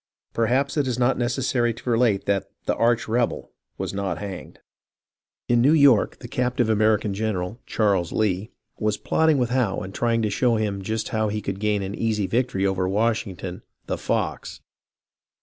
Perhaps it is not necessary to relate that " the Arch Rebel " was not hanged. In New York, the captive American general, Charles Lee, was plotting with Howe and trying to show him just how he could gain an easy victory over Washington, " the fox."